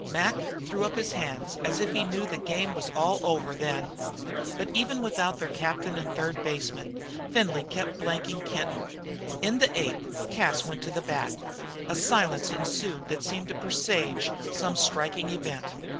Mac threw up his hands as if he knew the game was all over then. But even without their captain and third baseman, Findlay kept blanking Kenton. In the eighth Cas went to the bat. A silence ensued that seemed to presage some striking event.